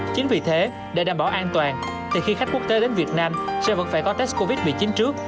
chính vì thế để đảm bảo an toàn thì khi khách quốc tế đến việt nam sẽ vẫn phải có test covid một mươi chín trước